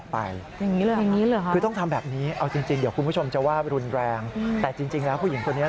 ผู้ชมจะว่ารุนแรงแต่จริงแล้วผู้หญิงคนนี้